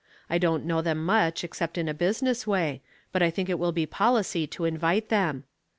I don't know them much except in a business way, but I think it will be policy to invite them."